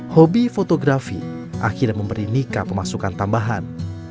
hobi fotografi akhirnya memberi nika pemasukan tambahan